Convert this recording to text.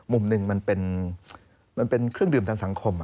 มุมหนึ่งมันเป็นเครื่องดื่มทางสังคม